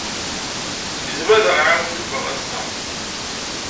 Yezmer ad ɣ-iwawen Yuba ass-a.